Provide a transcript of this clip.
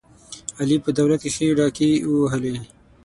علي په دولت کې ښې ډاکې ووهلې.